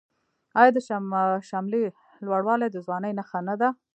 آیا د شملې لوړوالی د ځوانۍ نښه نه ده؟